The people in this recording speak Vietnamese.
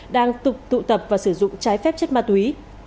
đang tục tụ tập và sử dụng trái phép chất ma túy